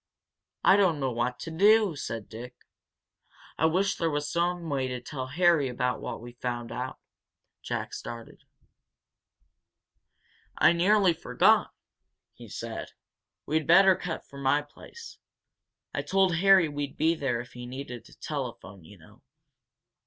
"I don't know what to do!" said Dick. "I wish there was some way to tell Harry about what we've found out," Jack started. "I nearly forgot!" he said. "We'd better cut for my place. I told Harry we'd be there if he needed a telephone, you know.